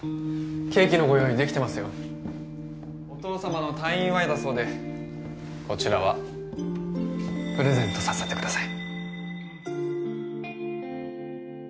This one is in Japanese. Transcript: ケーキのご用意できてますよお父様の退院祝いだそうでこちらはプレゼントさせてください